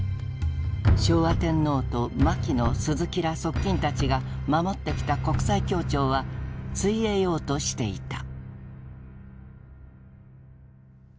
昭和天皇と牧野・鈴木ら側近たちが守ってきた国際協調はついえようとしていた。